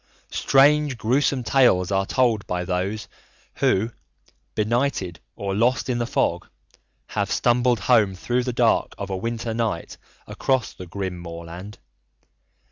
Strange, gruesome tales are told by those who, benighted or lost in the fog, have stumbled home through the dark of a winter night across the grim moorland.